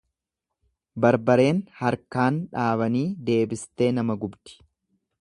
Barbareen harkaan dhaabanii deebistee nama gubdi.